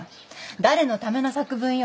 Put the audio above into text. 誰のための作文よ。